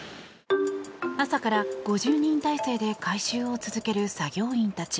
朝から５０人態勢で回収を続ける作業員たち。